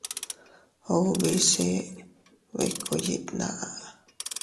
Ubi se bikkúu yiʼin tnaʼa.